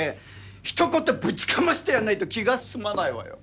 一言ぶちかましてやんないと気が済まないわよ。